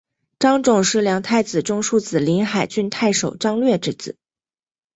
张种是梁太子中庶子临海郡太守张略之子。